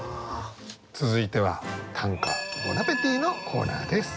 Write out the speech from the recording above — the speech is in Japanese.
続いては「短歌ボナペティ」のコーナーです。